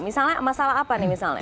misalnya masalah apa nih